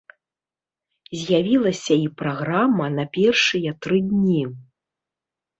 З'явілася і праграма на першыя тры дні.